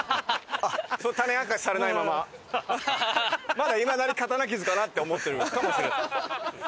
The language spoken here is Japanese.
まだいまだに刀傷かなって思ってるかもしれない。